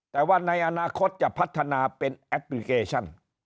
แต่ว่าในอนาคตจะพัฒนาเป็นแอปพลิเคชัน